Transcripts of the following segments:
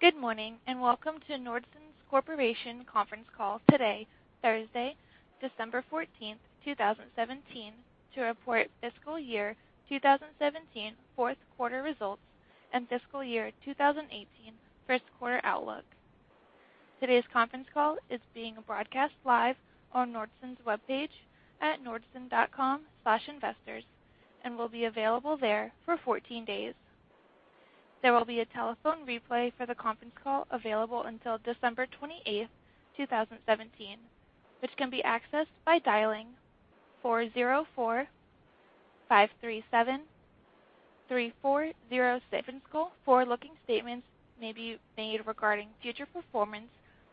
Good morning, and welcome to Nordson Corporation conference call today, Thursday, December 14, 2017 to report fiscal year 2017 fourth quarter results and fiscal year 2018 first quarter outlook. Today's conference call is being broadcast live on Nordson's webpage at nordson.com/investors and will be available there for 14 days. There will be a telephone replay for the conference call available until December 28, 2017, which can be accessed by dialing 404-573-406. Forward-looking statements may be made regarding future performance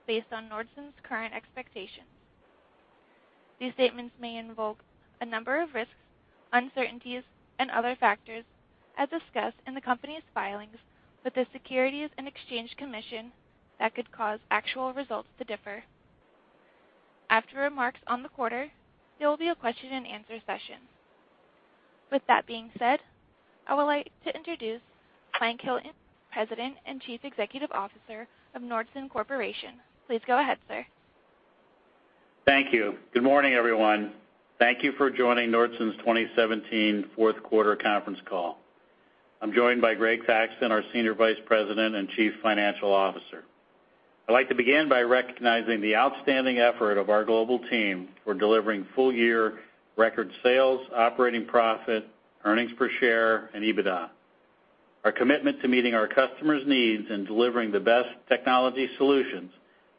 based on Nordson's current expectations. These statements may involve a number of risks, uncertainties, and other factors, as discussed in the company's filings with the Securities and Exchange Commission that could cause actual results to differ. After remarks on the quarter, there will be a question-and-answer session. With that being said, I would like to introduce Michael Hilton, President and Chief Executive Officer of Nordson Corporation. Please go ahead, sir. Thank you. Good morning, everyone. Thank you for joining Nordson's 2017 fourth quarter conference call. I'm joined by Gregory Thaxton, our Senior Vice President and Chief Financial Officer. I'd like to begin by recognizing the outstanding effort of our global team for delivering full year record sales, operating profit, earnings per share, and EBITDA. Our commitment to meeting our customers' needs and delivering the best technology solutions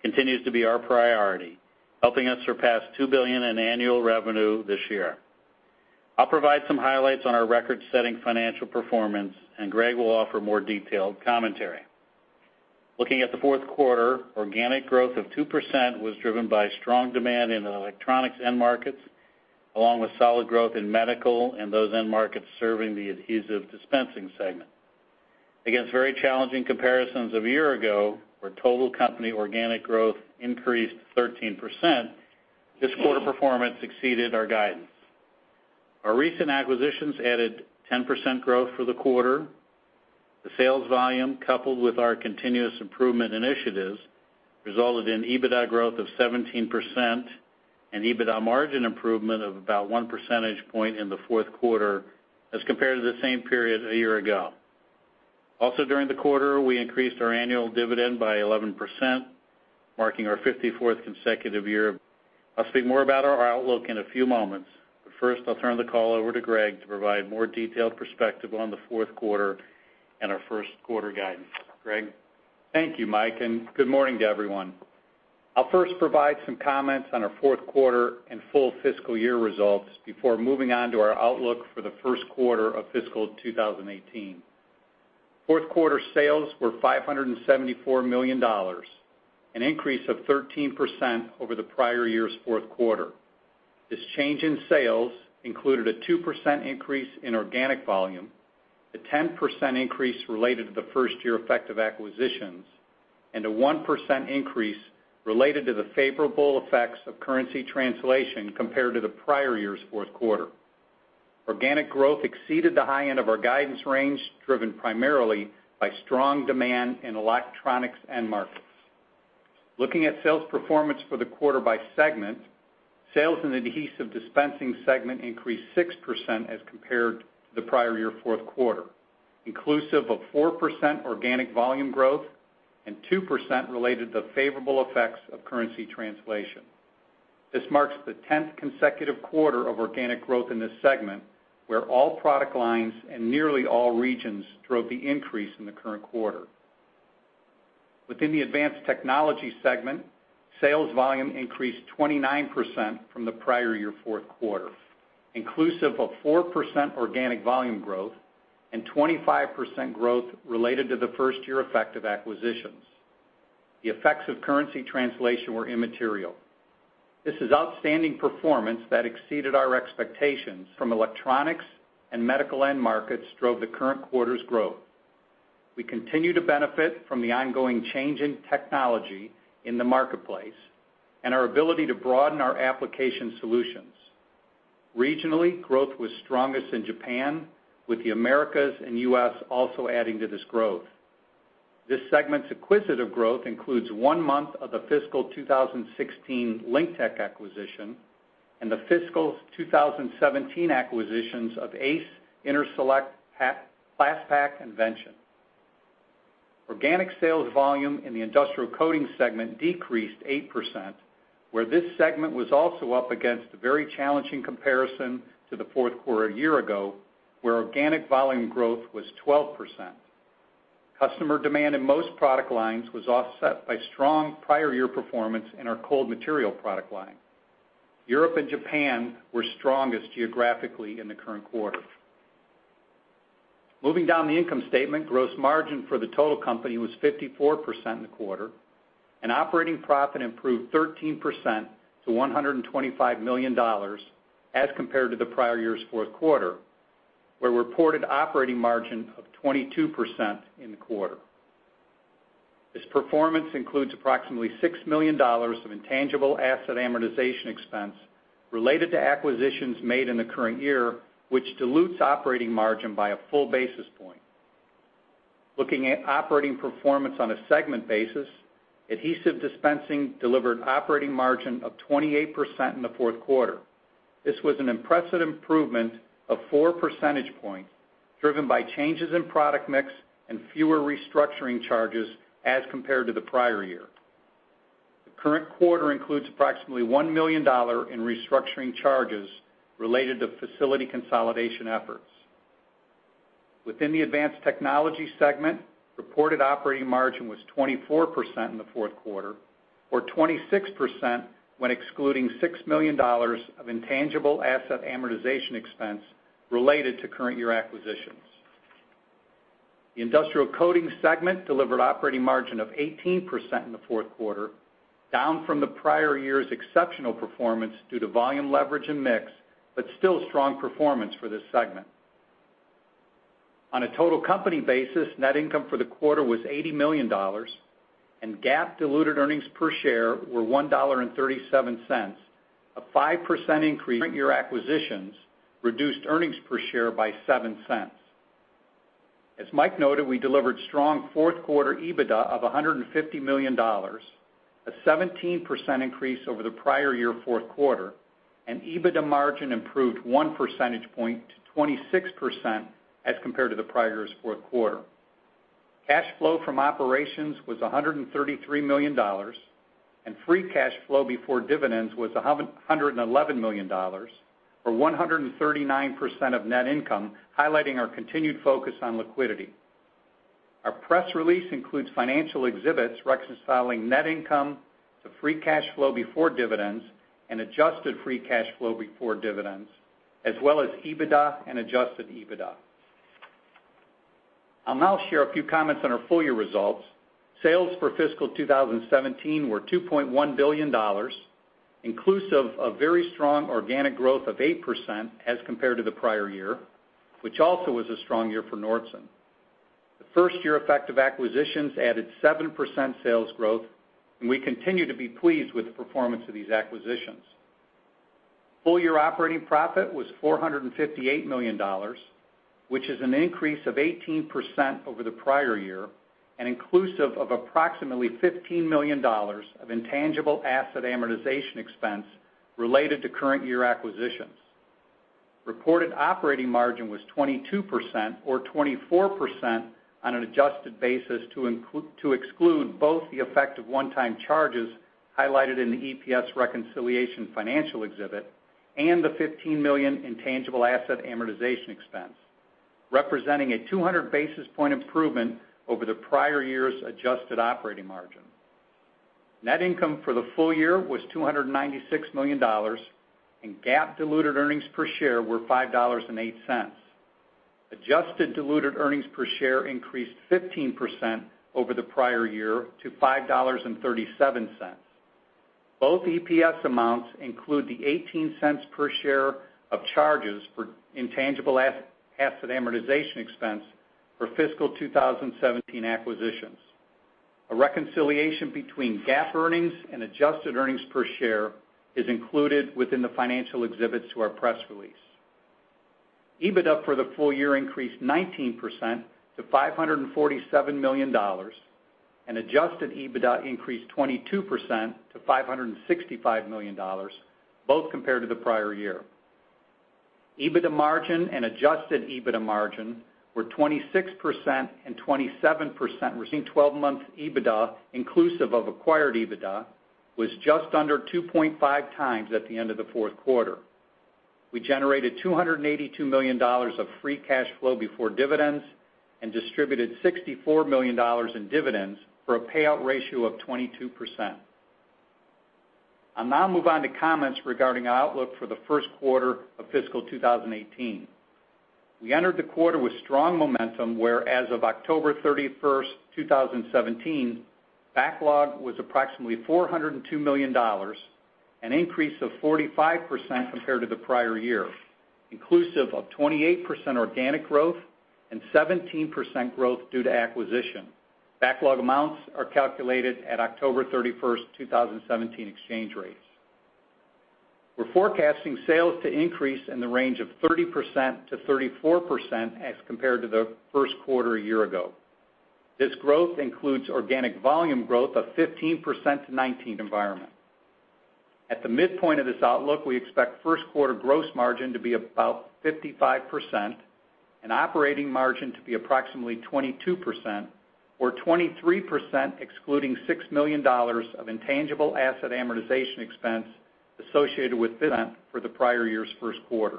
continues to be our priority, helping us surpass $2 billion in annual revenue this year. I'll provide some highlights on our record-setting financial performance, and Greg will offer more detailed commentary. Looking at the fourth quarter, organic growth of 2% was driven by strong demand in the electronics end markets, along with solid growth in medical and those end markets serving the Adhesive Dispensing Systems. Against very challenging comparisons of a year ago, where total company organic growth increased 13%, this quarter performance exceeded our guidance. Our recent acquisitions added 10% growth for the quarter. The sales volume, coupled with our continuous improvement initiatives, resulted in EBITDA growth of 17% and EBITDA margin improvement of about 1 percentage point in the fourth quarter as compared to the same period a year ago. Also during the quarter, we increased our annual dividend by 11%, marking our 54th consecutive year. I'll speak more about our outlook in a few moments, but first, I'll turn the call over to Greg to provide more detailed perspective on the fourth quarter and our first quarter guidance. Greg? Thank you, Mike, and good morning to everyone. I'll first provide some comments on our fourth quarter and full fiscal year results before moving on to our outlook for the first quarter of fiscal 2018. Fourth quarter sales were $574 million, an increase of 13% over the prior year's fourth quarter. This change in sales included a 2% increase in organic volume, a 10% increase related to the first-year effect of acquisitions, and a 1% increase related to the favorable effects of currency translation compared to the prior year's fourth quarter. Organic growth exceeded the high end of our guidance range, driven primarily by strong demand in electronics end markets. Looking at sales performance for the quarter by segment, sales in the Adhesive Dispensing segment increased 6% as compared to the prior year fourth quarter, inclusive of 4% organic volume growth and 2% related to favorable effects of currency translation. This marks the 10th consecutive quarter of organic growth in this segment, where all product lines and nearly all regions drove the increase in the current quarter. Within the Advanced Technology segment, sales volume increased 29% from the prior year fourth quarter, inclusive of 4% organic volume growth and 25% growth related to the first year effect of acquisitions. The effects of currency translation were immaterial. This is outstanding performance that exceeded our expectations. Electronics and medical end markets drove the current quarter's growth. We continue to benefit from the ongoing change in technology in the marketplace and our ability to broaden our application solutions. Regionally, growth was strongest in Japan, with the Americas and U.S. also adding to this growth. This segment's acquisitive growth includes one month of the fiscal 2016 LinkTech acquisition and the fiscal 2017 acquisitions of ACE, InterSelect, Plas-Pak, and Vention. Organic sales volume in the Industrial Coating Systems segment decreased 8%, where this segment was also up against a very challenging comparison to the fourth quarter a year ago, where organic volume growth was 12%. Customer demand in most product lines was offset by strong prior year performance in our cold materials product line. Europe and Japan were strongest geographically in the current quarter. Moving down the income statement, gross margin for the total company was 54% in the quarter, and operating profit improved 13% to $125 million as compared to the prior year's fourth quarter, with reported operating margin of 22% in the quarter. This performance includes approximately $6 million of intangible asset amortization expense related to acquisitions made in the current year, which dilutes operating margin by a full basis point. Looking at operating performance on a segment basis, Adhesive Dispensing delivered operating margin of 28% in the fourth quarter. This was an impressive improvement of four percentage points, driven by changes in product mix and fewer restructuring charges as compared to the prior year. The current quarter includes approximately $1 million in restructuring charges related to facility consolidation efforts. Within the Advanced Technology segment, reported operating margin was 24% in the fourth quarter, or 26% when excluding $6 million of intangible asset amortization expense related to current year acquisitions. The Industrial Coating segment delivered operating margin of 18% in the fourth quarter, down from the prior year's exceptional performance due to volume leverage and mix, but still strong performance for this segment. On a total company basis, net income for the quarter was $80 million and GAAP diluted earnings per share were $1.37, a 5% increase. Current year acquisitions reduced earnings per share by $0.07. As Mike noted, we delivered strong fourth quarter EBITDA of $150 million, a 17% increase over the prior year fourth quarter, and EBITDA margin improved one percentage point to 26% as compared to the prior year's fourth quarter. Cash flow from operations was $133 million, and free cash flow before dividends was $111 million, or 139% of net income, highlighting our continued focus on liquidity. Our press release includes financial exhibits reconciling net income to free cash flow before dividends and adjusted free cash flow before dividends, as well as EBITDA and adjusted EBITDA. I'll now share a few comments on our full year results. Sales for fiscal 2017 were $2.1 billion, inclusive of very strong organic growth of 8% as compared to the prior year, which also was a strong year for Nordson. The first year effect of acquisitions added 7% sales growth, and we continue to be pleased with the performance of these acquisitions. Full year operating profit was $458 million, which is an increase of 18% over the prior year and inclusive of approximately $15 million of intangible asset amortization expense related to current year acquisitions. Reported operating margin was 22% or 24% on an adjusted basis to exclude both the effect of one-time charges highlighted in the EPS reconciliation financial exhibit and the $15 million intangible asset amortization expense, representing a 200 basis point improvement over the prior year's adjusted operating margin. Net income for the full year was $296 million, and GAAP diluted earnings per share were $5.08. Adjusted diluted earnings per share increased 15% over the prior year to $5.37. Both EPS amounts include the $0.18 per share of charges for intangible asset amortization expense for fiscal 2017 acquisitions. A reconciliation between GAAP earnings and adjusted earnings per share is included within the financial exhibits to our press release. EBITDA for the full year increased 19% to $547 million, and adjusted EBITDA increased 22% to $565 million, both compared to the prior year. EBITDA margin and adjusted EBITDA margin were 26% and 27%. Twelve-month EBITDA, inclusive of acquired EBITDA, was just under 2.5x at the end of the fourth quarter. We generated $282 million of free cash flow before dividends and distributed $64 million in dividends, for a payout ratio of 22%. I'll now move on to comments regarding our outlook for the first quarter of fiscal 2018. We entered the quarter with strong momentum, where as of October 31, 2017, backlog was approximately $402 million, an increase of 45% compared to the prior year, inclusive of 28% organic growth and 17% growth due to acquisition. Backlog amounts are calculated at October 31, 2017 exchange rates. We're forecasting sales to increase in the range of 30%-34% as compared to the first quarter a year ago. This growth includes organic volume growth of 15%-19%. At the midpoint of this outlook, we expect first quarter gross margin to be about 55% and operating margin to be approximately 22% or 23% excluding $6 million of intangible asset amortization expense associated with business for the prior year's first quarter.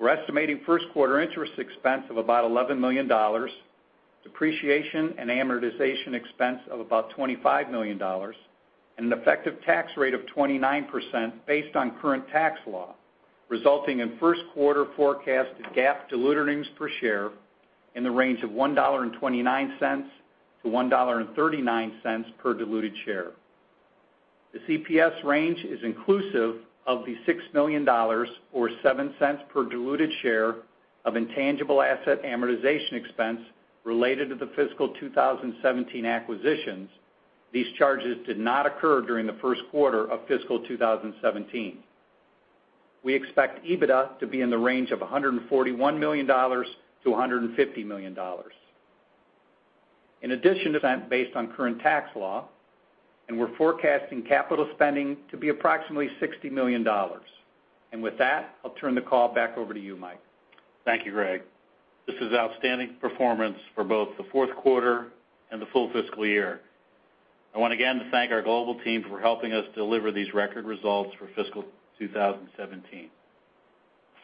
We're estimating first quarter interest expense of about $11 million, depreciation and amortization expense of about $25 million, and an effective tax rate of 29% based on current tax law, resulting in first quarter forecasted GAAP diluted earnings per share in the range of $1.29-$1.39 per diluted share. The EPS range is inclusive of the $6 million or 7 cents per diluted share of intangible asset amortization expense related to the fiscal 2017 acquisitions. These charges did not occur during the first quarter of fiscal 2017. We expect EBITDA to be in the range of $141 million-$150 million. In addition to that based on current tax law, and we're forecasting capital spending to be approximately $60 million. With that, I'll turn the call back over to you, Mike. Thank you, Greg. This is outstanding performance for both the fourth quarter and the full fiscal year. I want again to thank our global team for helping us deliver these record results for fiscal 2017.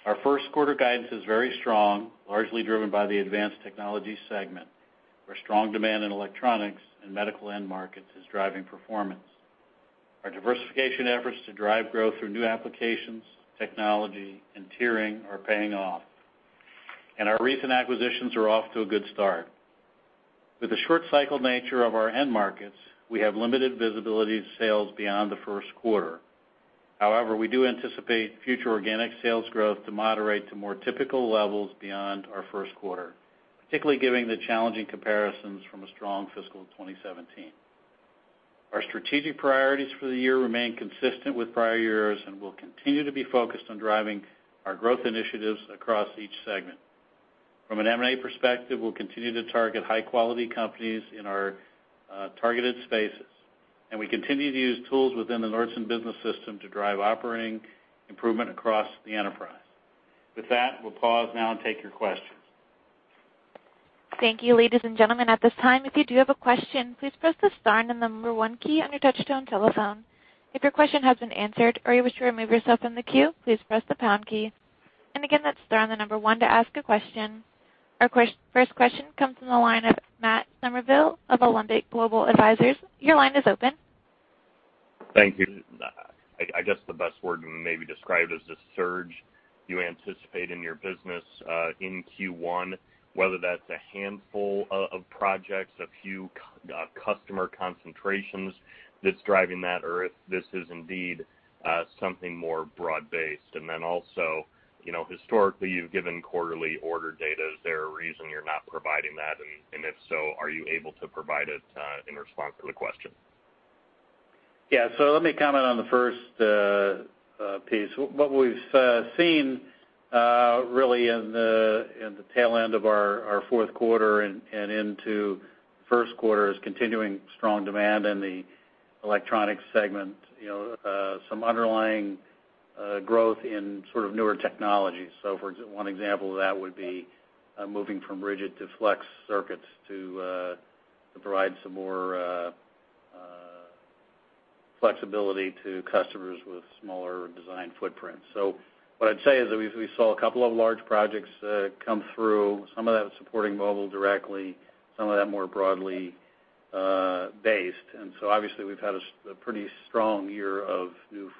Our first quarter guidance is very strong, largely driven by the Advanced Technology Systems segment, where strong demand in electronics and medical end markets is driving performance. Our diversification efforts to drive growth through new applications, technology, and tiering are paying off. Our recent acquisitions are off to a good start. With the short cycle nature of our end markets, we have limited visibility to sales beyond the first quarter. However, we do anticipate future organic sales growth to moderate to more typical levels beyond our first quarter, particularly giving the challenging comparisons from a strong fiscal 2017. Our strategic priorities for the year remain consistent with prior years and will continue to be focused on driving our growth initiatives across each segment. From an M&A perspective, we'll continue to target high-quality companies in our targeted spaces, and we continue to use tools within the Nordson Business System to drive operating improvement across the enterprise. With that, we'll pause now and take your questions. Thank you, ladies and gentlemen. At this time, if you do have a question, please press the star then the number one key on your touchtone telephone. If your question has been answered or you wish to remove yourself from the queue, please press the pound key. Again, that's star then the number one to ask a question. Our first question comes from the line of Matt Summerville of Alembic Global Advisors. Your line is open. Thank you. I guess the best word to maybe describe it as a surge you anticipate in your business in Q1, whether that's a handful of projects, a few customer concentrations that's driving that, or if this is indeed something more broad-based. Also, you know, historically, you've given quarterly order data. Is there a reason you're not providing that? If so, are you able to provide it in response to the question? Yeah. Let me comment on the first piece. What we've seen really in the tail end of our fourth quarter and into first quarter is continuing strong demand in the electronics segment, you know, some underlying growth in sort of newer technologies. For example of that would be moving from rigid to flex circuits to provide some more flexibility to customers with smaller design footprints. What I'd say is that we saw a couple of large projects come through, some of that supporting mobile directly, some of that more broadly based. Obviously, we've had a pretty strong year of new mobile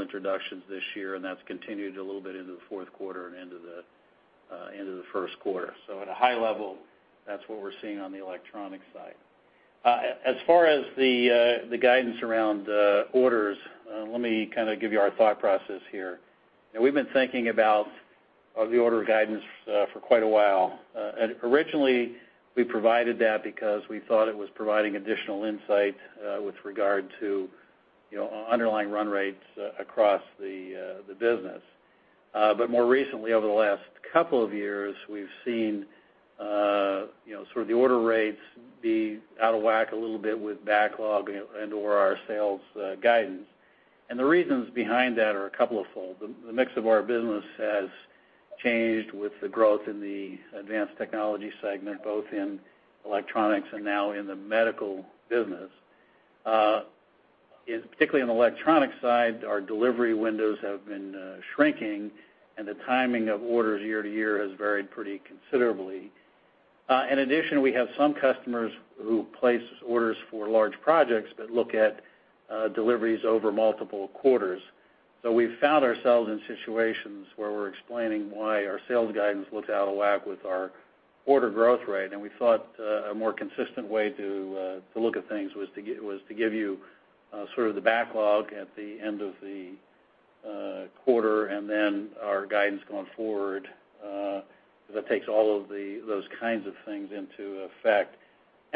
introductions this year, and that's continued a little bit into the fourth quarter and into the first quarter. At a high level, that's what we're seeing on the electronic side. As far as the guidance around orders, let me kind of give you our thought process here. We've been thinking about the order guidance for quite a while. Originally, we provided that because we thought it was providing additional insight with regard to, you know, underlying run rates across the business. More recently, over the last couple of years, we've seen, you know, sort of the order rates be out of whack a little bit with backlog and/or our sales guidance. The reasons behind that are twofold. The mix of our business has changed with the growth in the Advanced Technology Systems, both in electronics and now in the medical business. It is particularly on the electronic side, our delivery windows have been shrinking, and the timing of orders year-to-year has varied pretty considerably. In addition, we have some customers who place orders for large projects but look at deliveries over multiple quarters. We found ourselves in situations where we're explaining why our sales guidance looks out of whack with our order growth rate. We thought a more consistent way to look at things was to give you sort of the backlog at the end of the quarter and then our guidance going forward that takes all of those kinds of things into effect.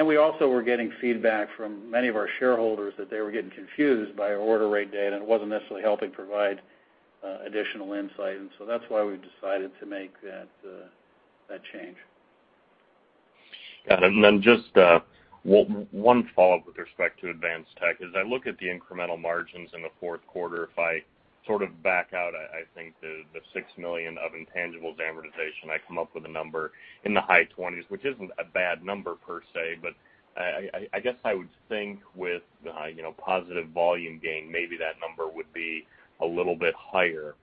We also were getting feedback from many of our shareholders that they were getting confused by our order rate data, and it wasn't necessarily helping provide additional insight. That's why we've decided to make that change. Got it. Just one follow-up with respect to advanced tech. As I look at the incremental margins in the fourth quarter, if I sort of back out, I think the $6 million of intangibles amortization, I come up with a number in the high 20s%, which isn't a bad number per se, but I guess I would think with you know positive volume gain, maybe that number would be a little bit higher.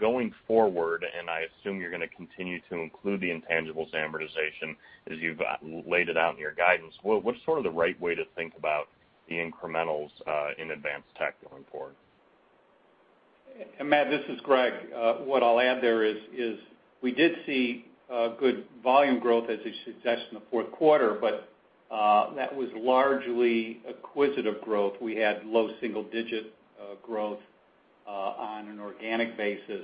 Going forward, I assume you're gonna continue to include the intangibles amortization as you've laid it out in your guidance, what's sort of the right way to think about the incrementals in advanced tech going forward? Matt, this is Greg. What I'll add there is we did see good volume growth, as you suggest, in the fourth quarter, but that was largely acquisitive growth. We had low single-digit growth on an organic basis.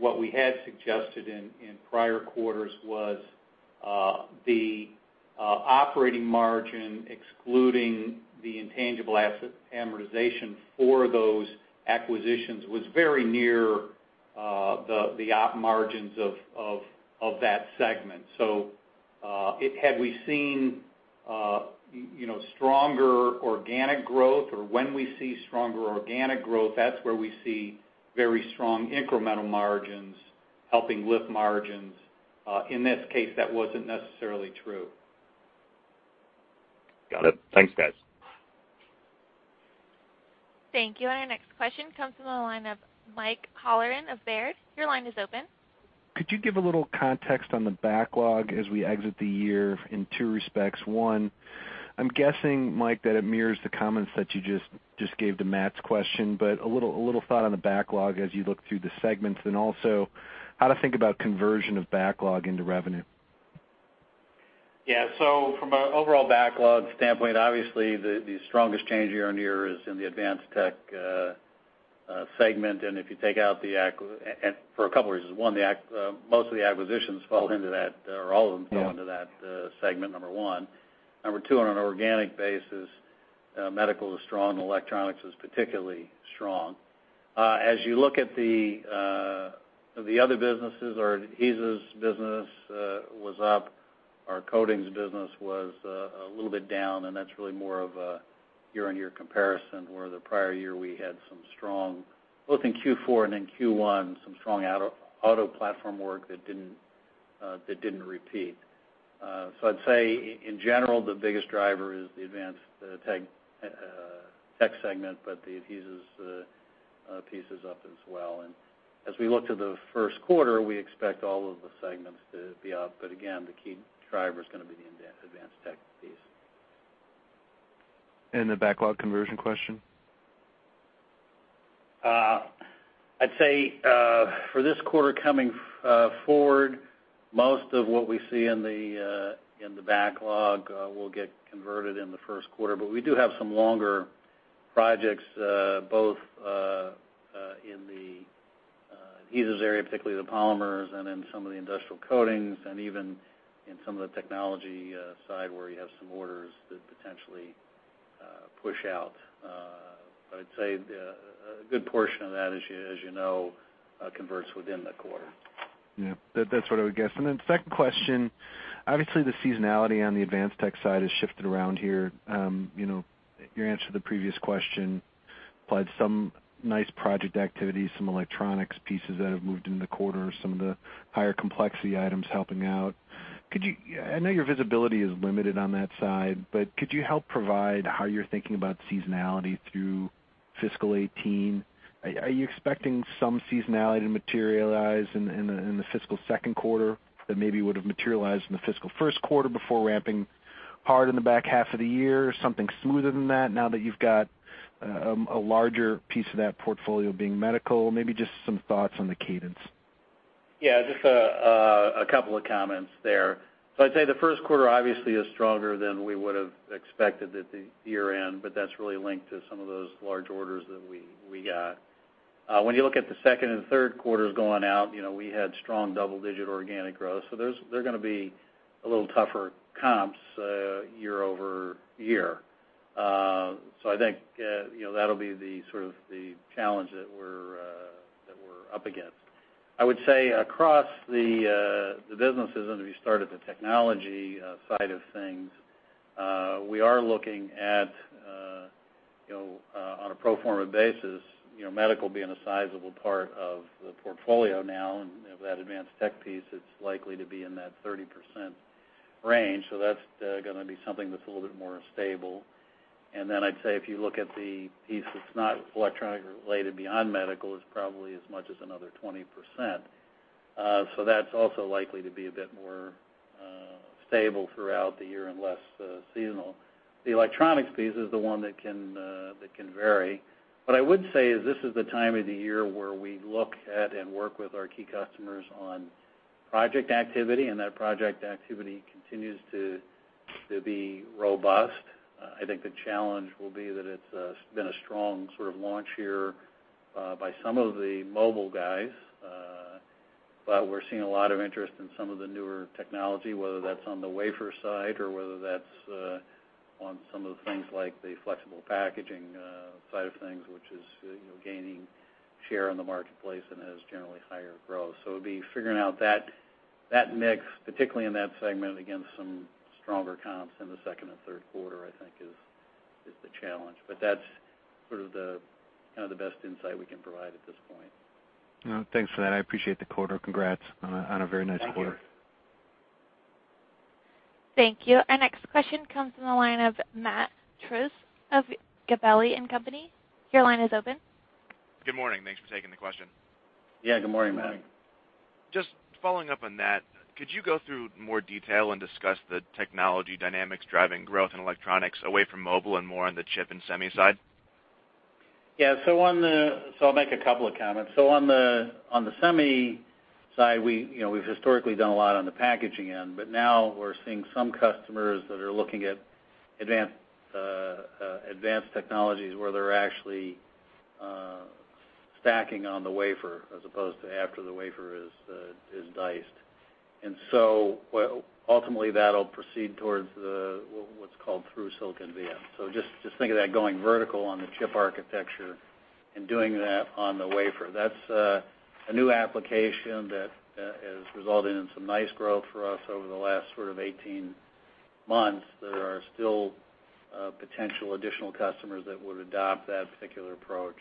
What we had suggested in prior quarters was the operating margin, excluding the intangible asset amortization for those acquisitions, was very near the op margins of that segment. Had we seen you know, stronger organic growth, or when we see stronger organic growth, that's where we see very strong incremental margins helping lift margins. In this case, that wasn't necessarily true. Got it. Thanks, guys. Thank you. Our next question comes from the line of Michael Halloran of Baird. Your line is open. Could you give a little context on the backlog as we exit the year in two respects? One, I'm guessing, Mike, that it mirrors the comments that you just gave to Matt's question, but a little thought on the backlog as you look through the segments, and also how to think about conversion of backlog into revenue. From an overall backlog standpoint, obviously, the strongest change year-on-year is in the advanced tech segment. For a couple reasons, one, most of the acquisitions fall into that, or all of them. Yeah Fall into that segment, number one. Number two, on an organic basis, medical is strong, electronics is particularly strong. As you look at the other businesses, our adhesives business was up, our coatings business was a little bit down, and that's really more of a year-on-year comparison, where the prior year we had some strong both in Q4 and in Q1 auto platform work that didn't repeat. I'd say in general, the biggest driver is the advanced tech segment, but the adhesives piece is up as well. As we look to the first quarter, we expect all of the segments to be up. Again, the key driver is gonna be the advanced tech piece. The backlog conversion question? I'd say, for this quarter coming forward, most of what we see in the backlog will get converted in the first quarter. We do have some longer projects both in the adhesives area, particularly the polymers and in some of the industrial coatings, and even in some of the technology side, where you have some orders that potentially push out. I'd say a good portion of that, as you know, converts within the quarter. Yeah. That, that's what I would guess. Second question, obviously, the seasonality on the advanced tech side has shifted around here. You know, your answer to the previous question applied some nice project activities, some electronics pieces that have moved into the quarter, some of the higher complexity items helping out. I know your visibility is limited on that side, but could you help provide how you're thinking about seasonality through fiscal 2018? Are you expecting some seasonality to materialize in the fiscal second quarter that maybe would've materialized in the fiscal first quarter before ramping hard in the back half of the year? Something smoother than that now that you've got a larger piece of that portfolio being medical? Maybe just some thoughts on the cadence. Yeah, just a couple of comments there. I'd say the first quarter obviously is stronger than we would've expected at the year-end, but that's really linked to some of those large orders that we got. When you look at the second and third quarters going out, you know, we had strong double-digit organic growth. They're gonna be a little tougher comps year-over-year. I think, you know, that'll be the sort of the challenge that we're up against. I would say across the businesses, as we start at the technology side of things, we are looking at, you know, on a pro forma basis, you know, medical being a sizable part of the portfolio now, and of that advanced tech piece, it's likely to be in that 30% range. So that's gonna be something that's a little bit more stable. Then I'd say if you look at the piece that's not electronic related beyond medical, is probably as much as another 20%. So that's also likely to be a bit more stable throughout the year and less seasonal. The electronics piece is the one that can vary. What I would say is this is the time of the year where we look at and work with our key customers on project activity, and that project activity continues to be robust. I think the challenge will be that it's been a strong sort of launch year by some of the mobile guys. But we're seeing a lot of interest in some of the newer technology, whether that's on the wafer side or whether that's on some of the things like the flexible packaging side of things, which is, you know, gaining share in the marketplace and has generally higher growth. It'll be figuring out that mix, particularly in that segment against some stronger comps in the second and third quarter, I think is the challenge. That's sort of the, kind of the best insight we can provide at this point. Well, thanks for that. I appreciate the quarter. Congrats on a very nice quarter. Thank you. Thank you. Our next question comes from the line of Matt Summerville of Gabelli & Company. Your line is open. Good morning. Thanks for taking the question. Yeah. Good morning, Matt. Just following up on that, could you go through more detail and discuss the technology dynamics driving growth in electronics away from mobile and more on the chip and semi side? Yeah. I'll make a couple of comments. On the semi side, you know, we've historically done a lot on the packaging end, but now we're seeing some customers that are looking at advanced technologies where they're actually stacking on the wafer as opposed to after the wafer is diced. Ultimately, that'll proceed towards what's called through-silicon via. Just think of that going vertical on the chip architecture and doing that on the wafer. That's a new application that has resulted in some nice growth for us over the last sort of 18 months. There are still potential additional customers that would adopt that particular approach,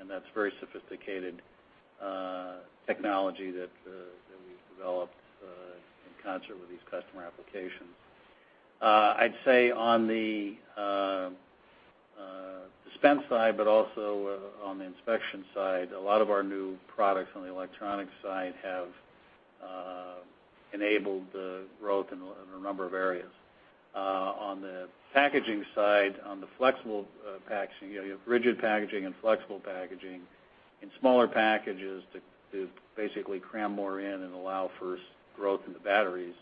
and that's very sophisticated technology that we've developed in concert with these customer applications. I'd say on the dispense side, but also on the inspection side, a lot of our new products on the electronic side have enabled the growth in a number of areas. On the packaging side, on the flexible packaging, you have rigid packaging and flexible packaging. In smaller packages to basically cram more in and allow for growth in the batteries,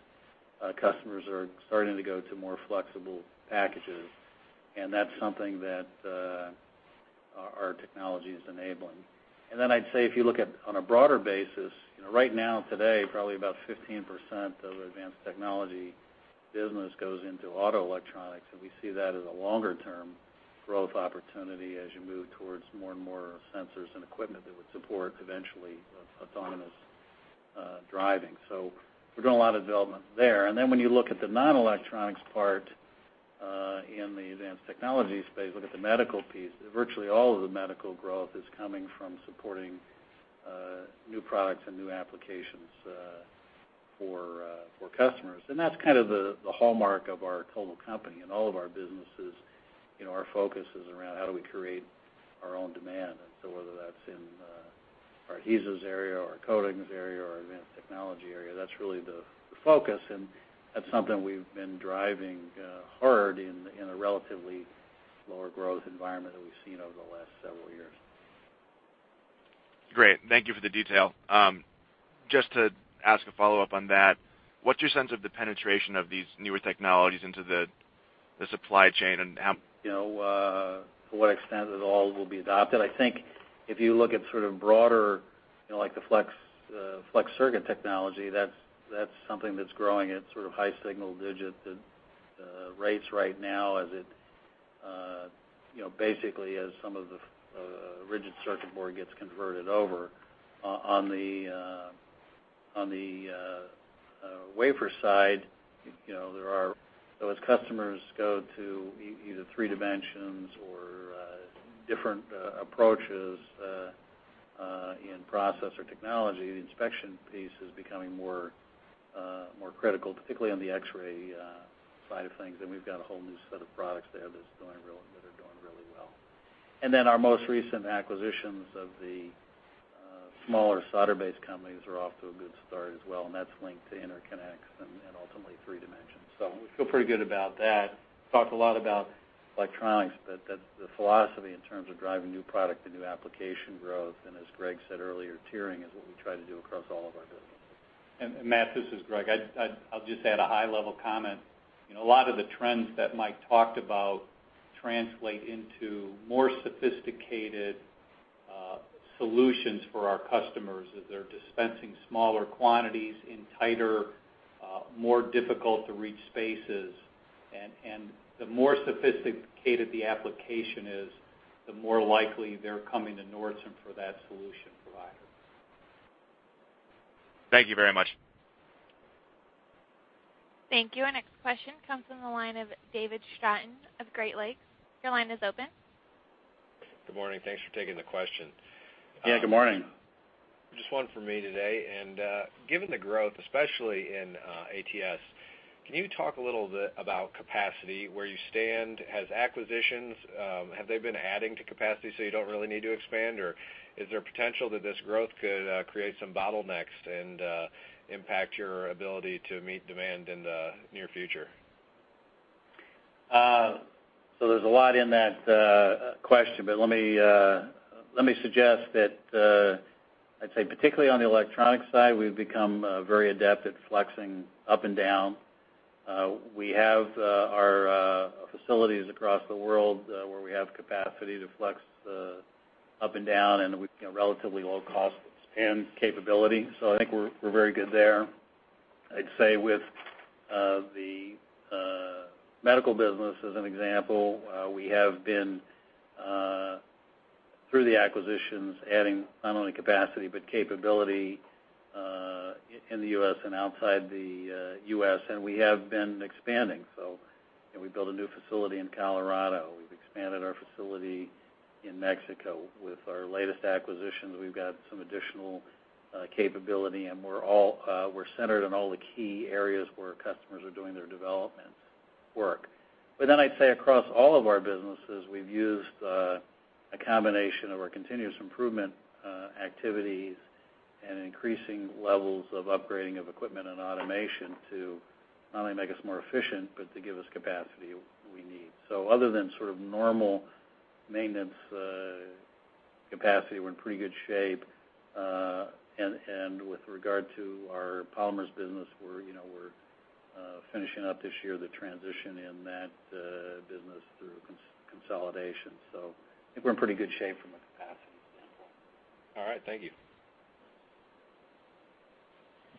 customers are starting to go to more flexible packages, and that's something that our technology is enabling. I'd say if you look at on a broader basis, you know, right now today, probably about 15% of advanced technology business goes into auto electronics, and we see that as a longer-term growth opportunity as you move towards more and more sensors and equipment that would support eventually autonomous driving. We're doing a lot of development there. When you look at the non-electronics part in the advanced technology space, look at the medical piece, virtually all of the medical growth is coming from supporting new products and new applications for customers. That's kind of the hallmark of our total company. In all of our businesses, you know, our focus is around how do we create our own demand. Whether that's in our adhesives area or our coatings area or our advanced technology area, that's really the focus, and that's something we've been driving hard in a relatively lower growth environment than we've seen over the last several years. Great. Thank you for the detail. Just to ask a follow-up on that, what's your sense of the penetration of these newer technologies into the supply chain and how- You know, to what extent it all will be adopted. I think if you look at sort of broader, you know, like the flex circuit technology, that's something that's growing at sort of high single digit rates right now as it, you know, basically as some of the rigid circuit board gets converted over. On the wafer side, you know, as customers go to either three dimensions or different approaches in process or technology, the inspection piece is becoming more critical, particularly on the X-ray side of things. We've got a whole new set of products there that are doing really well. Then our most recent acquisitions of the smaller solder-based companies are off to a good start as well, and that's linked to interconnects and ultimately three dimensions. We feel pretty good about that. Talked a lot about electronics, but that's the philosophy in terms of driving new product and new application growth. As Greg said earlier, tiering is what we try to do across all of our businesses. Matt, this is Greg. I'll just add a high-level comment. You know, a lot of the trends that Mike talked about translate into more sophisticated solutions for our customers as they're dispensing smaller quantities in tighter, more difficult to reach spaces. The more sophisticated the application is, the more likely they're coming to Nordson for that solution provider. Thank you very much. Thank you. Our next question comes from the line of David Stratton of Great Lakes. Your line is open. Good morning. Thanks for taking the question. Yeah, good morning. Just one for me today. Given the growth, especially in ATS, can you talk a little bit about capacity, where you stand? Have they been adding to capacity, so you don't really need to expand? Or is there potential that this growth could create some bottlenecks and impact your ability to meet demand in the near future? There's a lot in that question. Let me suggest that I'd say particularly on the electronic side, we've become very adept at flexing up and down. We have our facilities across the world where we have capacity to flex up and down, and you know, relatively low cost and capability. I think we're very good there. I'd say with the medical business, as an example, we have been through the acquisitions, adding not only capacity, but capability in the U.S. and outside the U.S. We have been expanding. You know, we built a new facility in Colorado. We've expanded our facility in Mexico. With our latest acquisitions, we've got some additional capability, and we're centered on all the key areas where customers are doing their development work. I'd say across all of our businesses, we've used a combination of our continuous improvement activities and increasing levels of upgrading of equipment and automation to not only make us more efficient, but to give us capacity we need. Other than sort of normal maintenance capacity, we're in pretty good shape. With regard to our polymers business, we're, you know, finishing up this year the transition in that business through consolidation. I think we're in pretty good shape from a capacity standpoint. All right. Thank you.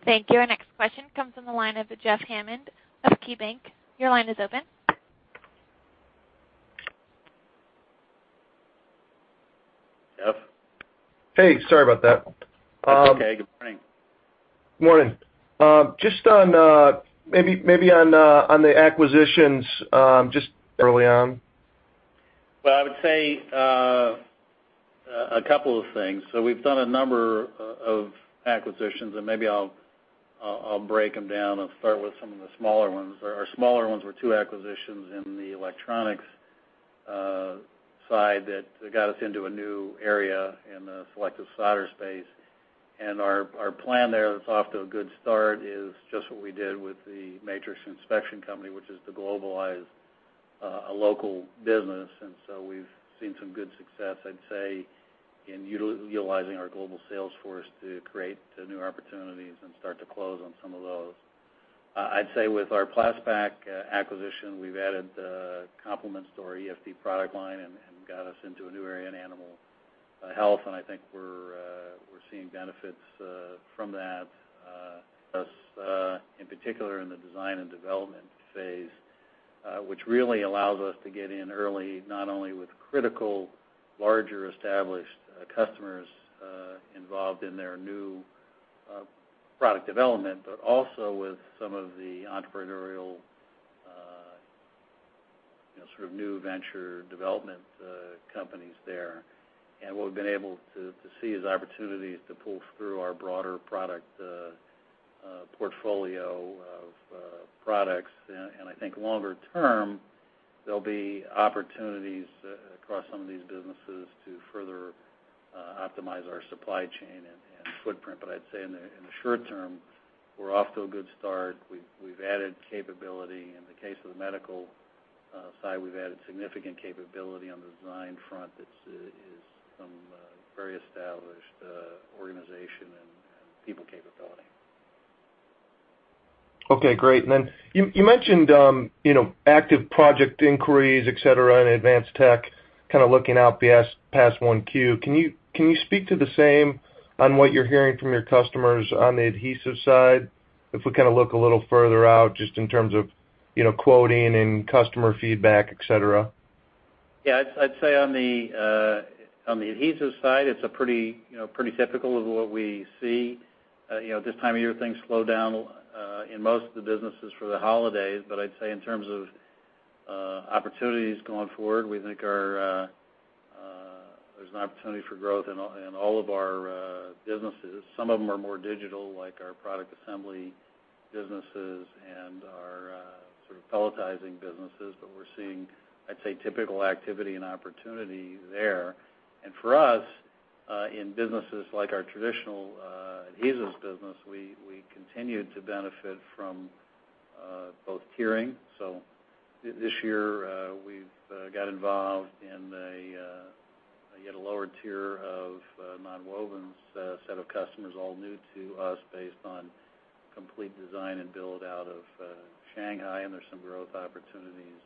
Thank you. Our next question comes from the line of Jeff Hammond of KeyBanc. Your line is open. Jeff? Hey, sorry about that. That's okay. Good morning. Morning. Just on the acquisitions, just early on. Well, I would say a couple of things. We've done a number of acquisitions, and maybe I'll break them down. I'll start with some of the smaller ones. Our smaller ones were two acquisitions in the electronics side that got us into a new area in the selective soldering space. Our plan there, that's off to a good start, is just what we did with the MatriX inspection company, which is to globalize a local business. We've seen some good success, I'd say, in utilizing our global sales force to create new opportunities and start to close on some of those. I'd say with our Plas-Pak acquisition, we've added complements to our EFD product line and got us into a new area in animal health. I think we're seeing benefits from that. In particular in the design and development phase, which really allows us to get in early, not only with critical, larger established customers involved in their new product development, but also with some of the entrepreneurial, you know, sort of new venture development companies there. What we've been able to see is opportunities to pull through our broader product portfolio of products. I think longer term, there'll be opportunities across some of these businesses to further optimize our supply chain and footprint. I'd say in the short term, we're off to a good start. We've added capability. In the case of the medical side, we've added significant capability on the design front that is from a very established organization and people capability. Okay, great. You mentioned you know active project inquiries et cetera in advanced tech kind of looking out past 1Q. Can you speak to the same on what you're hearing from your customers on the adhesive side? If we kind of look a little further out just in terms of you know quoting and customer feedback et cetera. Yeah. I'd say on the adhesive side, it's pretty typical of what we see. You know, this time of year, things slow down in most of the businesses for the holidays. I'd say in terms of opportunities going forward, we think there's an opportunity for growth in all of our businesses. Some of them are more digital, like our product assembly businesses and our sort of pelletizing businesses. We're seeing, I'd say, typical activity and opportunity there. For us in businesses like our traditional adhesives business, we continue to benefit from both tiering. This year we've got involved in an even lower tier of Nonwovens set of customers, all new to us based on complete design and build-out of Shanghai, and there's some growth opportunities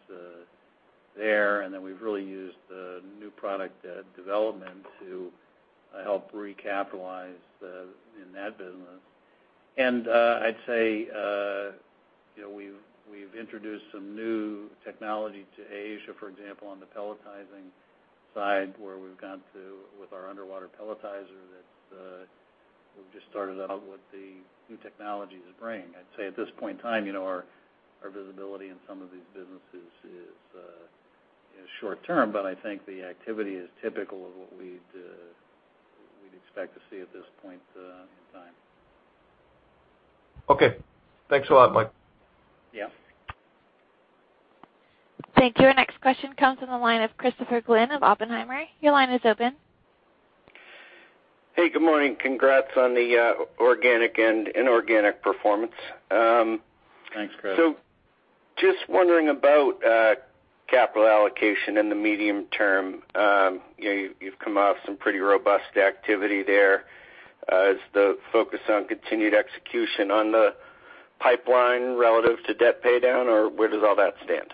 there. Then we've really used new product development to help recapitalize them in that business. I'd say you know we've introduced some new technology to Asia, for example, on the pelletizing side, where we've gone to with our underwater pelletizer that we've just started out with the new technologies it's bringing. I'd say at this point in time, you know, our visibility in some of these businesses is short-term, but I think the activity is typical of what we'd expect to see at this point in time. Okay. Thanks a lot, Mike. Yeah. Thank you. Our next question comes from the line of Christopher Glynn of Oppenheimer. Your line is open. Hey, good morning. Congrats on the organic and inorganic performance. Thanks, Chris. Just wondering about capital allocation in the medium term. You know, you've come off some pretty robust activity there. Is the focus on continued execution on the pipeline relative to debt paydown, or where does all that stand?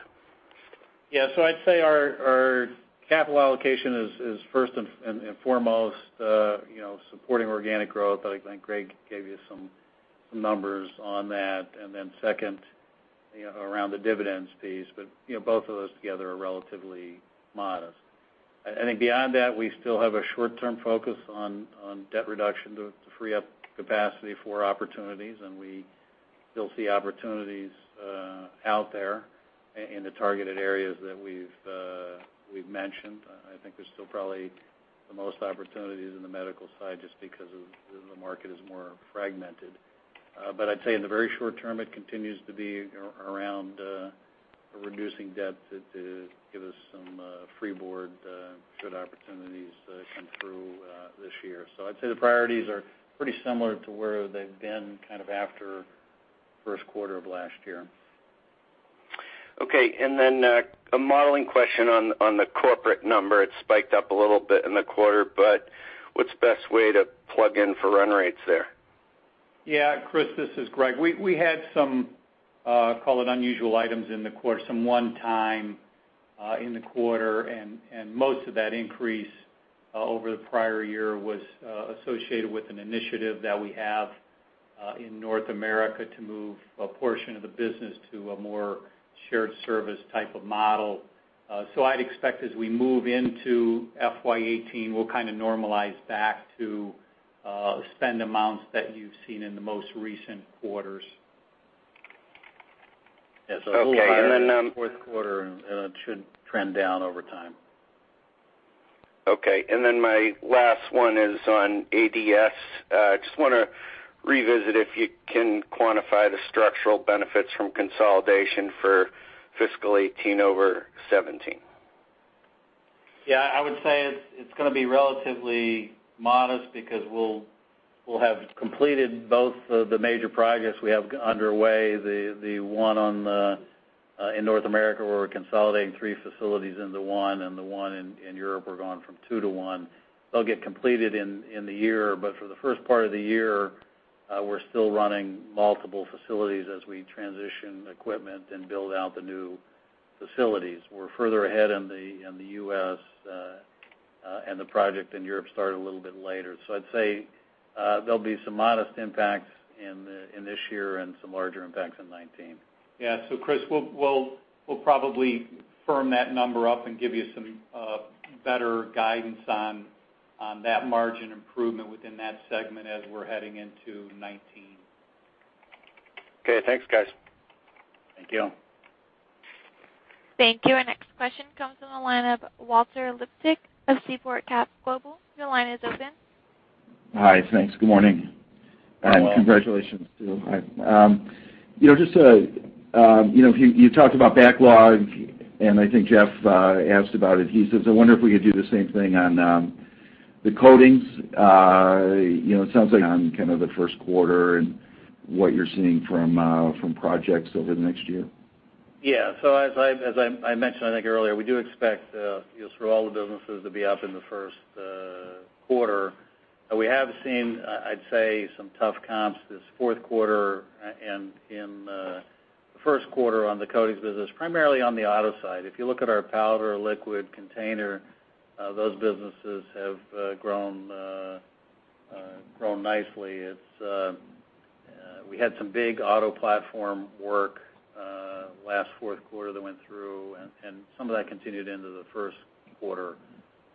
Yeah. I'd say our capital allocation is first and foremost, you know, supporting organic growth. I think Greg gave you some numbers on that. Then second, you know, around the dividends piece. You know, both of those together are relatively modest. I think beyond that, we still have a short-term focus on debt reduction to free up capacity for opportunities, and we still see opportunities out there in the targeted areas that we've mentioned. I think there's still probably the most opportunities in the medical side just because of the market is more fragmented. I'd say in the very short term, it continues to be around reducing debt to give us some freeboard should opportunities come through this year. I'd say the priorities are pretty similar to where they've been kind of after first quarter of last year. Okay. A modeling question on the corporate number. It spiked up a little bit in the quarter, but what's the best way to plug in for run rates there? Yeah. Chris, this is Greg. We had some, call it unusual items in the course, some one-time in the quarter, and most of that increase over the prior year was associated with an initiative that we have in North America to move a portion of the business to a more shared service type of model. I'd expect as we move into FY 18, we'll kind of normalize back to spend amounts that you've seen in the most recent quarters. Okay. Yes, a little higher in the fourth quarter, and it should trend down over time. Okay. My last one is on ADS. Just wanna revisit if you can quantify the structural benefits from consolidation for fiscal 2018 over 2017? Yeah. I would say it's gonna be relatively modest because we'll have completed both of the major projects we have underway. The one in North America, where we're consolidating three facilities into one, and the one in Europe, we're going from two to one. They'll get completed in the year. For the first part of the year, we're still running multiple facilities as we transition equipment and build out the new facilities. We're further ahead in the U.S., and the project in Europe started a little bit later. I'd say there'll be some modest impacts in this year and some larger impacts in 2019. Yeah. Chris, we'll probably firm that number up and give you some better guidance on that margin improvement within that segment as we're heading into 2019. Okay. Thanks, guys. Thank you. Thank you. Our next question comes from the line of Walter Liptak of Seaport Global. Your line is open. Hi. Thanks. Good morning. Good morning. Congratulations to you. You know, just to, you know, you talked about backlog, and I think Jeff asked about adhesives. I wonder if we could do the same thing on the coatings. You know, it sounds like on kind of the first quarter and what you're seeing from projects over the next year. Yeah. As I mentioned, I think earlier, we do expect, you know, through all the businesses to be up in the first quarter. We have seen, I'd say, some tough comps this fourth quarter and in the first quarter on the coatings business, primarily on the auto side. If you look at our powder and liquid container, those businesses have grown nicely. We had some big auto platform work last fourth quarter that went through and some of that continued into the first quarter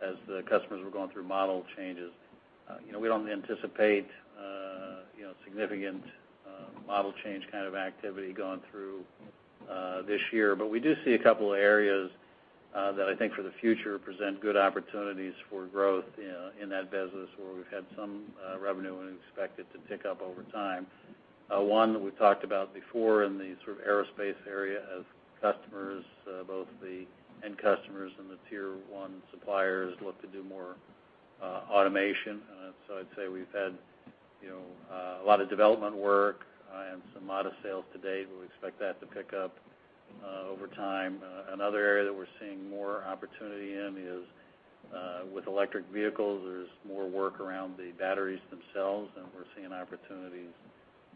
as the customers were going through model changes. You know, we don't anticipate, you know, significant model change kind of activity going through this year. We do see a couple of areas that I think for the future present good opportunities for growth in that business where we've had some revenue and expect it to pick up over time. One that we talked about before in the sort of aerospace area as customers both the end customers and the tier one suppliers look to do more automation. I'd say we've had, you know, a lot of development work and some modest sales to date. We expect that to pick up over time. Another area that we're seeing more opportunity in is with electric vehicles. There's more work around the batteries themselves, and we're seeing opportunities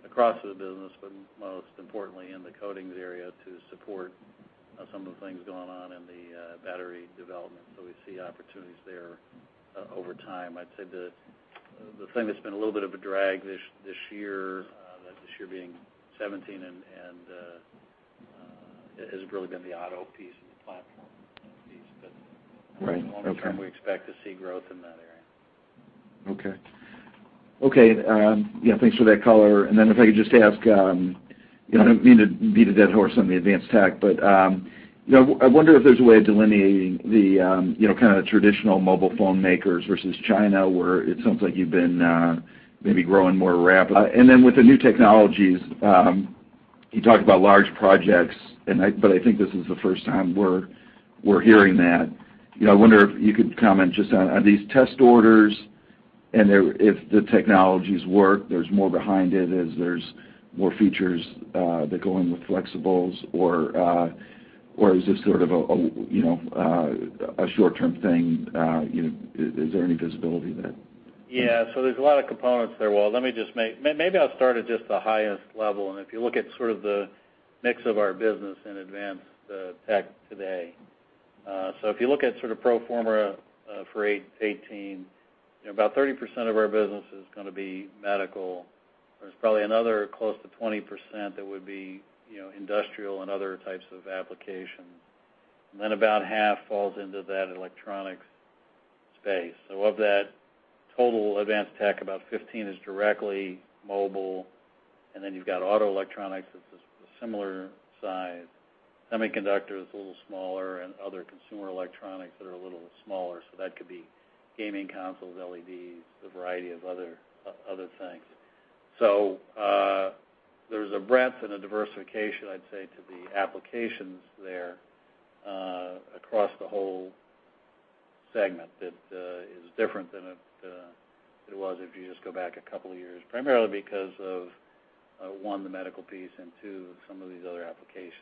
across the business, but most importantly in the coatings area to support some of the things going on in the battery development. We see opportunities there, over time. I'd say the thing that's been a little bit of a drag this year, this year being 2017, has really been the auto piece and the platform piece. Right. Okay Longer term, we expect to see growth in that area. Okay. Yeah, thanks for that color. If I could just ask, I don't mean to beat a dead horse on the Advanced Tech, but you know, I wonder if there's a way of delineating the you know, kind of traditional mobile phone makers versus China, where it sounds like you've been maybe growing more rapidly. With the new technologies, you talked about large projects, but I think this is the first time we're hearing that. You know, I wonder if you could comment just on, are these test orders and if the technologies work, there's more behind it as there's more features that go in with flexibles or is this sort of a you know a short-term thing? You know, is there any visibility there? Yeah. There's a lot of components there, Walt. Let me just maybe I'll start at just the highest level, and if you look at sort of the mix of our business in Advanced Tech today. If you look at sort of pro forma for 2018, you know, about 30% of our business is gonna be medical. There's probably another close to 20% that would be, you know, industrial and other types of applications. And then about half falls into that electronics space. Of that total Advanced Tech, about 15% is directly mobile, and then you've got auto electronics that's a similar size. Semiconductor is a little smaller, and other consumer electronics that are a little smaller. That could be gaming consoles, LEDs, a variety of other things. There's a breadth and a diversification, I'd say, to the applications there, across the whole segment that is different than it was if you just go back a couple of years, primarily because of one, the medical piece, and two, some of these other applications.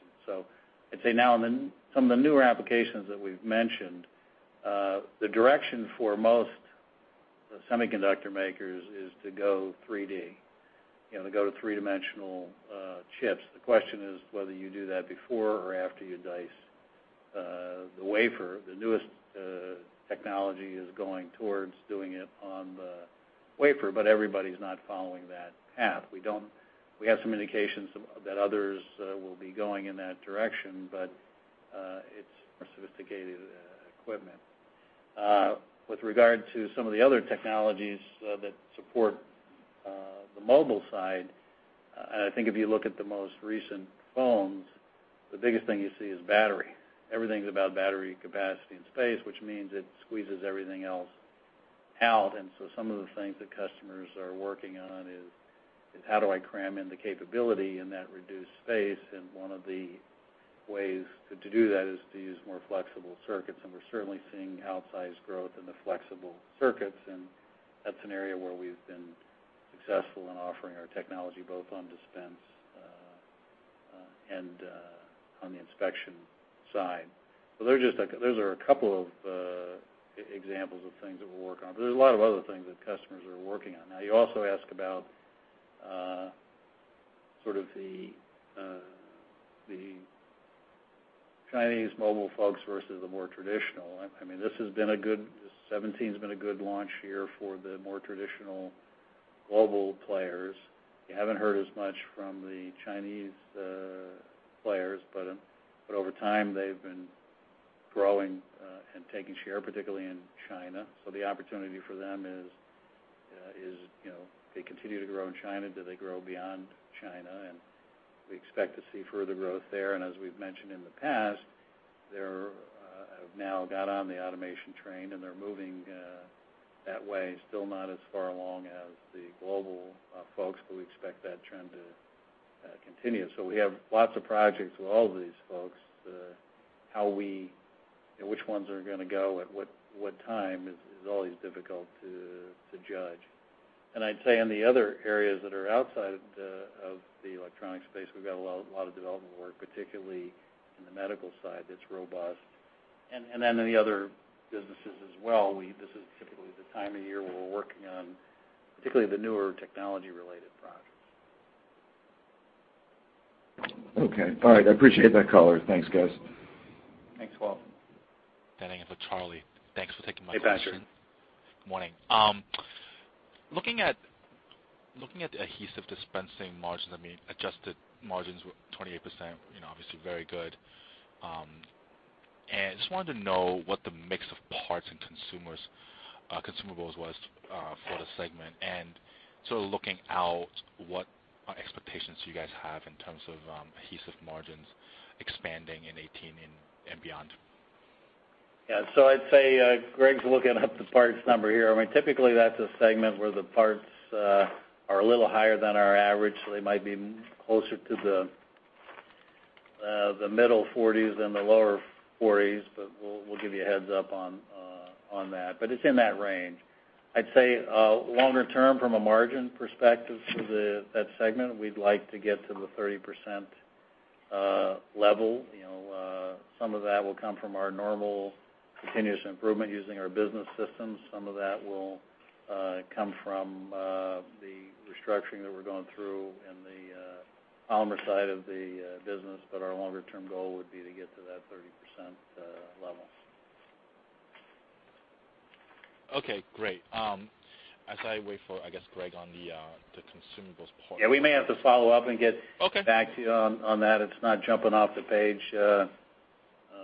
I'd say now in some of the newer applications that we've mentioned, the direction for most semiconductor makers is to go 3D. You know, to go to three-dimensional chips. The question is whether you do that before or after you dice the wafer. The newest technology is going towards doing it on the wafer, but everybody's not following that path. We have some indications that others will be going in that direction, but it's more sophisticated equipment. With regard to some of the other technologies that support the mobile side, I think if you look at the most recent phones, the biggest thing you see is battery. Everything's about battery capacity and space, which means it squeezes everything else out. Some of the things that customers are working on is how do I cram in the capability in that reduced space? One of the ways to do that is to use more flexible circuits. We're certainly seeing outsized growth in the flexible circuits, and that's an area where we've been successful in offering our technology both on dispense and on the inspection side. Those are a couple of examples of things that we're working on. There's a lot of other things that customers are working on. Now, you also asked about sort of the Chinese mobile folks versus the more traditional. I mean, 2017 has been a good launch year for the more traditional global players. You haven't heard as much from the Chinese players. Over time, they've been growing and taking share, particularly in China. The opportunity for them is, you know, they continue to grow in China. Do they grow beyond China? We expect to see further growth there. As we've mentioned in the past, they have now got on the automation train, and they're moving that way. Still not as far along as the global folks, but we expect that trend to continue. We have lots of projects with all of these folks. You know, which ones are gonna go at what time is always difficult to judge. I'd say in the other areas that are outside of the electronics space, we've got a lot of development work, particularly in the medical side, that's robust. Then in the other businesses as well, this is typically the time of year where we're working on particularly the newer technology-related projects. Okay. All right. I appreciate that color. Thanks, guys. Thanks, Walt. Standing in for Charlie. Thanks for taking my question. Hey, Patrick. Good morning. Looking at the adhesive dispensing margins, I mean, adjusted margins were 28%, you know, obviously very good. Just wanted to know what the mix of parts and consumables was for the segment. Sort of looking out, what expectations do you guys have in terms of adhesive margins expanding in 2018 and beyond? Yeah. I'd say, Greg's looking up the part number here. I mean, typically, that's a segment where the parts are a little higher than our average, so they might be closer to the middle 40s than the lower 40s. We'll give you a heads up on that. It's in that range. I'd say, longer term from a margin perspective for that segment, we'd like to get to the 30% level. You know, some of that will come from our normal continuous improvement using our business systems. Some of that will come from the restructuring that we're going through in the polymer side of the business. Our longer term goal would be to get to that 30% level. Okay, great. As I wait for, I guess, Greg on the consumables part. Yeah, we may have to follow up and get- Okay Back to you on that. It's not jumping off the page, for us right now.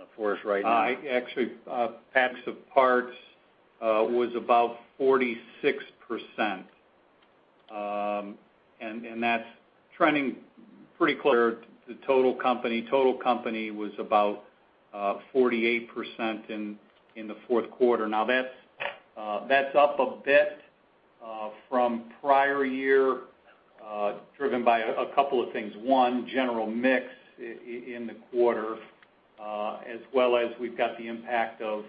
Actually, ADS and ATS was about 46%. That's trending pretty clear. The total company was about 48% in the fourth quarter. Now, that's up a bit from prior year, driven by a couple of things. One, general mix in the quarter, as well as we've got the impact of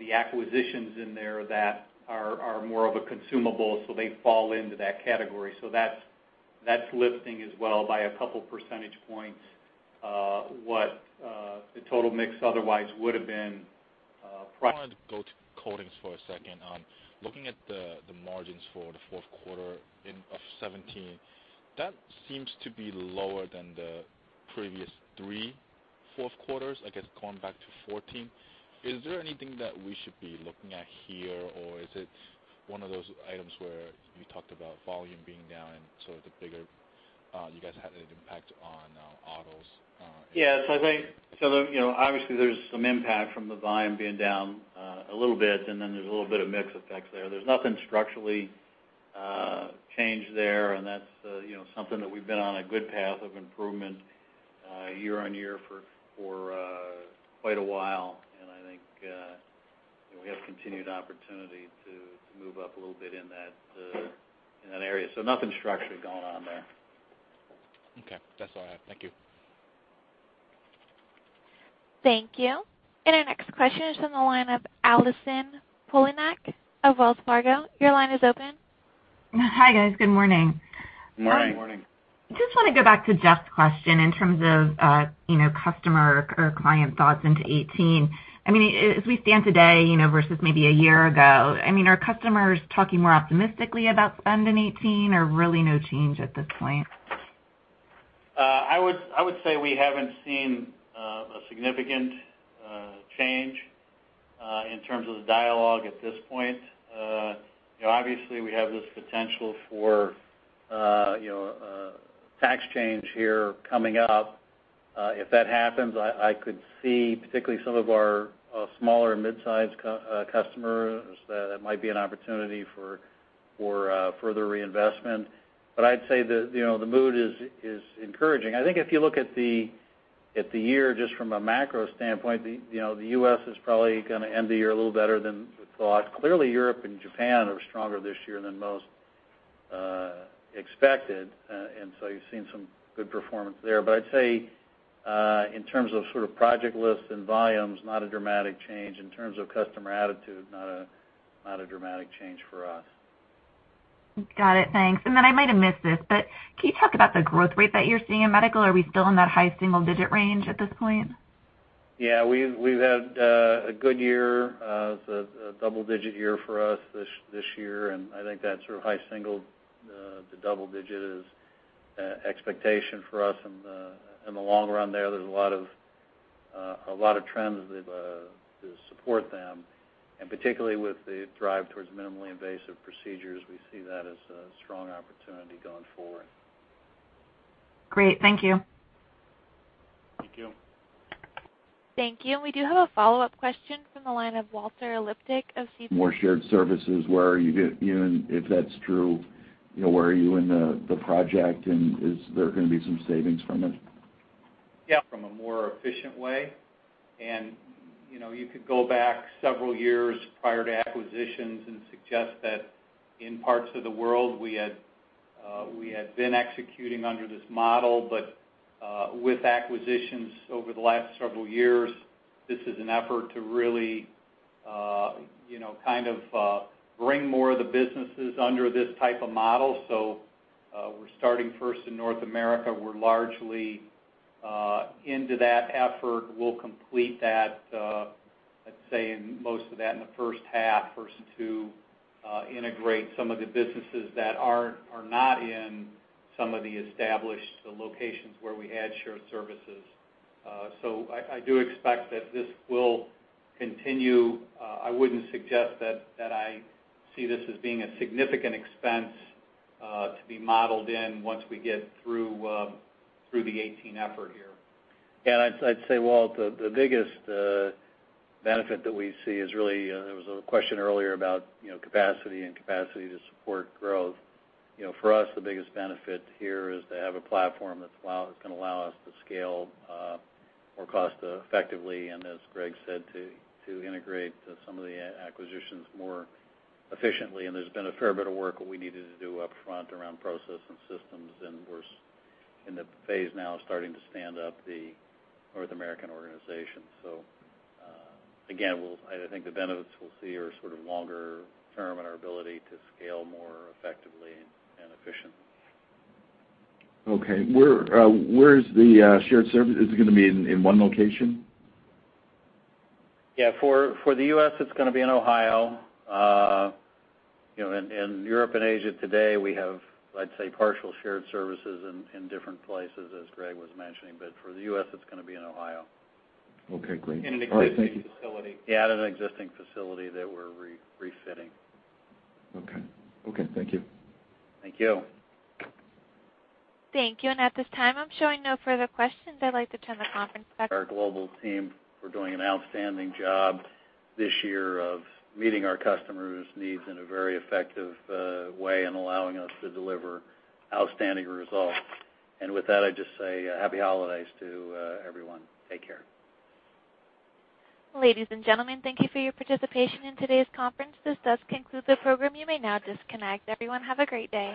the acquisitions in there that are more of a consumable, so they fall into that category. That's lifting as well by a couple percentage points, what the total mix otherwise would have been, prior. I wanted to go to coatings for a second. Looking at the margins for the fourth quarter of 2017, that seems to be lower than the previous three fourth quarters, I guess, going back to 2014. Is there anything that we should be looking at here, or is it one of those items where you talked about volume being down and so the bigger you guys had an impact on autos. Yeah. So the, you know, obviously, there's some impact from the volume being down, a little bit, and then there's a little bit of mix effects there. There's nothing structurally changed there, and that's, you know, something that we've been on a good path of improvement, year on year for quite a while. I think, you know, we have continued opportunity to move up a little bit in that area. Nothing structurally going on there. Okay, that's all I have. Thank you. Thank you. Our next question is from the line of Allison Poliniak of Wells Fargo. Your line is open. Hi, guys. Good morning. Morning. Morning. Just wanna go back to Jeff's question in terms of, you know, customer or client thoughts into 2018. I mean, as we stand today, you know, versus maybe a year ago, I mean, are customers talking more optimistically about spend in 2018 or really no change at this point? I would say we haven't seen a significant change in terms of the dialogue at this point. You know, obviously we have this potential for, you know, tax change here coming up. If that happens, I could see particularly some of our smaller mid-size customers that might be an opportunity for further reinvestment. But I'd say the, you know, the mood is encouraging. I think if you look at the year, just from a macro standpoint, you know, the U.S. is probably gonna end the year a little better than we thought. Clearly, Europe and Japan are stronger this year than most expected, and so you've seen some good performance there. But I'd say in terms of sort of project lists and volumes, not a dramatic change. In terms of customer attitude, not a dramatic change for us. Got it. Thanks. I might have missed this, but can you talk about the growth rate that you're seeing in medical? Are we still in that high single digit range at this point? Yeah. We've had a good year, a double-digit year for us this year, and I think that sort of high single-digit to double-digit is expectation for us in the long run there. There's a lot of trends to support them, and particularly with the drive towards minimally invasive procedures, we see that as a strong opportunity going forward. Great. Thank you. Thank you. Thank you. We do have a follow-up question from the line of Walter Liptak of Seaport Global Shared services, where are you? If that's true, you know, where are you in the project, and is there gonna be some savings from it? Yeah. From a more efficient way. You know, you could go back several years prior to acquisitions and suggest that in parts of the world we had been executing under this model. With acquisitions over the last several years, this is an effort to really you know, kind of, bring more of the businesses under this type of model. We're starting first in North America. We're largely into that effort. We'll complete that, I'd say most of that in the first half, we're set to integrate some of the businesses that aren't in some of the established locations where we had shared services. I do expect that this will continue. I wouldn't suggest that I see this as being a significant expense to be modeled in once we get through the 2018 effort here. Yeah. I'd say, Walt, the biggest benefit that we see is really there was a question earlier about, you know, capacity to support growth. You know, for us, the biggest benefit here is to have a platform that's gonna allow us to scale more cost effectively, and as Greg said, to integrate some of the acquisitions more efficiently. There's been a fair bit of work that we needed to do upfront around process and systems, and we're in the phase now of starting to stand up the North American organization. Again, I think the benefits we'll see are sort of longer term and our ability to scale more effectively and efficiently. Okay. Where is the shared service? Is it gonna be in one location? Yeah. For the US, it's gonna be in Ohio. You know, in Europe and Asia today, we have, I'd say, partial shared services in different places as Greg was mentioning. But for the US, it's gonna be in Ohio. Okay, great. All right. Thank you. In an existing facility. Yeah, at an existing facility that we're refitting. Okay. Okay, thank you. Thank you. Thank you. At this time, I'm showing no further questions. I'd like to turn the conference back. Our global team for doing an outstanding job this year of meeting our customers' needs in a very effective way and allowing us to deliver outstanding results. With that, I just say happy holidays to everyone. Take care. Ladies and gentlemen, thank you for your participation in today's conference. This does conclude the program. You may now disconnect. Everyone, have a great day.